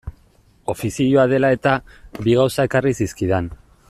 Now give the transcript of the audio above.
Ofizioa dela-eta, bi gauza ekarri zizkidan.